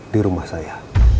di rumah saya